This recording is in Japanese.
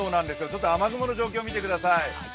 ちょっと雨雲の状況を見てください。